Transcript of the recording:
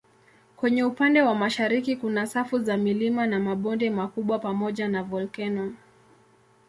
Kwenye upande wa mashariki kuna safu za milima na mabonde makubwa pamoja na volkeno.